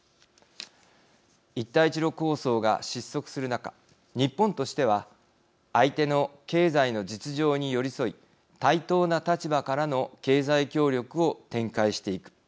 一帯一路構想が失速する中日本としては相手の経済の実情に寄り添い対等な立場からの経済協力を展開していく。